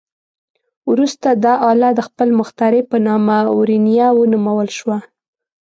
وروسته دا آله د خپل مخترع په نامه "ورنیه" ونومول شوه.